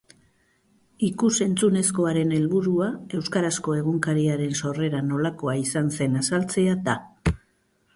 Ikus-entzunezkoaren helburua euskarazko egunkariaren sorrea nolakoa izan zen azaltzea da.